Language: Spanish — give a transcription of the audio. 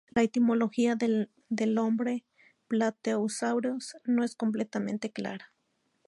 La etimología del nombre "Plateosaurus" no es completamente clara.